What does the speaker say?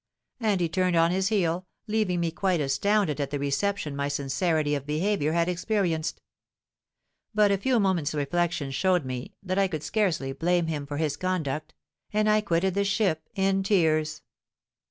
'—And he turned on his heel, leaving me quite astounded at the reception my sincerity of behaviour had experienced. But a few moments' reflection showed me that I could scarcely blame him for his conduct; and I quitted the ship in tears.